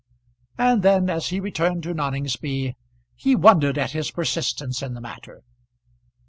And then, as he returned to Noningsby, he wondered at his persistence in the matter.